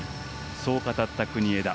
そう語った国枝。